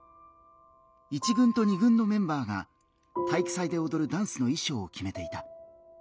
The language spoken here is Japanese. １軍と２軍のメンバーが体育祭でおどるダンスの衣装を決めていた。